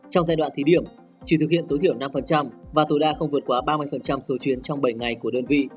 trong giai đoạn thí điểm chỉ thực hiện tối thiểu năm và tối đa không vượt quá ba mươi số chuyến trong bảy ngày của đơn vị